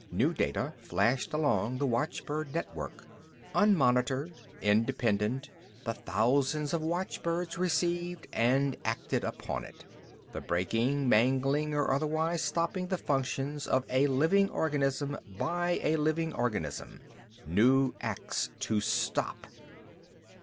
New data flashed along the watchbird network. Unmonitored, independent, the thousands of watchbirds received and acted upon it. _The breaking, mangling or otherwise stopping the functions of a living organism by a living organism. New acts to stop.